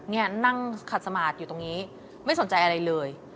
นี่นั่งขัดสมาร์ทอยู่ตรงนี้ไม่สนใจอะไรเลย